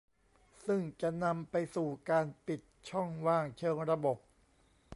ซึ่งจะนำไปสู่การปิดช่องว่างเชิงระบบ